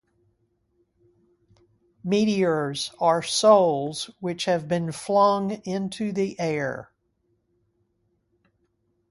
Meteors are souls which have been flung in to the air.